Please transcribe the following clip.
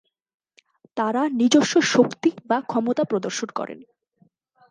তারা নিজস্ব শক্তি বা ক্ষমতা প্রদর্শন করেন।